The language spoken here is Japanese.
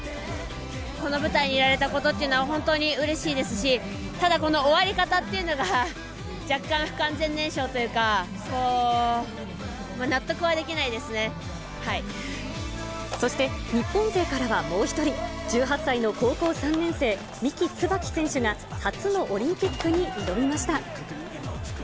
この舞台にいられたことというのは、本当にうれしいですし、ただ、この終わり方っていうのが若干、不完全燃焼というか、納得はできそして、日本勢からはもう１人、１８歳の高校３年生、三木つばき選手が、初のオリンピックに挑みました。